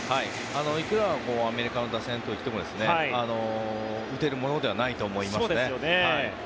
いくらアメリカの打線といっても打てるものではないと思いますね。